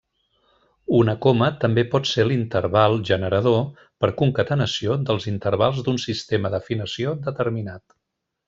Una coma també pot ser l'interval generador, per concatenació, dels intervals d'un sistema d'afinació determinat.